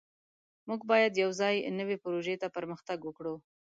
موږ باید یوځای نوې پروژې ته پرمختګ وکړو.